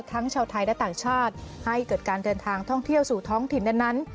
ชาวไทยและต่างชาติให้เกิดการเดินทางท่องเที่ยวสู่ท้องถิ่นนั้น